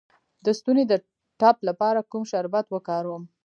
د ستوني د ټپ لپاره کوم شربت وکاروم؟